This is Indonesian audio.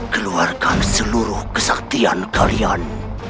keluarkan seluruh kesaktian kalian